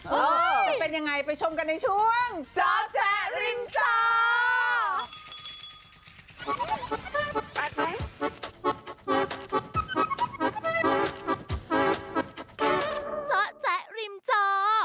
จะเป็นยังไงไปชมกันในช่วงจอแจ๊ริมจอ